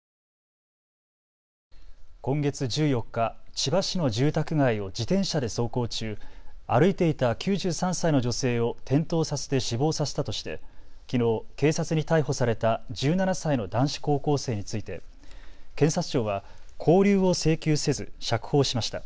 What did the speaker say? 今月１４日、千葉市の住宅街を自転車で走行中、歩いていた９３歳の女性を転倒させて死亡させたとしてきのう警察に逮捕された１７歳の男子高校生について検察庁は勾留を請求せず釈放しました。